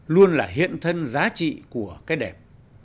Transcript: luôn là hiện thân giá trị của cái đẹp